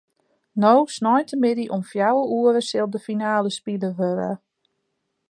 No sneintemiddei om fjouwer oere sil de finale spile wurde.